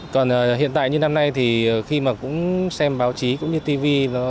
còn hiện tại như năm nay thì khi mà cũng xem báo chí cũng như tv